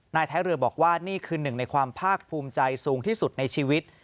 ท้ายเรือบอกว่านี่คือหนึ่งในความภาคภูมิใจสูงที่สุดในชีวิต